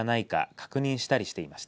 確認したりしていました。